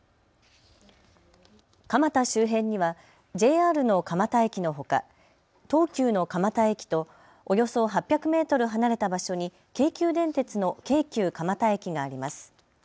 蒲田周辺にはＪＲの蒲田駅のほか東急の蒲田駅とおよそ８００メートル離れた場所に京急電鉄の京急蒲田駅があります。